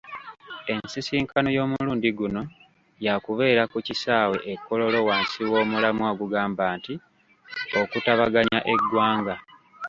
Ensisinkano y'omulundi guno yaakubeera ku kisaawe e Kololo wansi w'omulamwa ogugamba nti, “Okutabaganya eggwanga.”